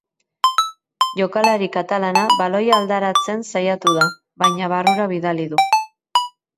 Jokalari katalana baloia aldaratzen saiatu da, baina barrura bidali du.